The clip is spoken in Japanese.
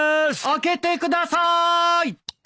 開けてください。